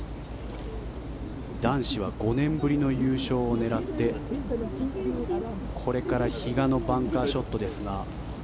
男子は５年ぶりの優勝を狙ってこれから比嘉のバンカーショットですが。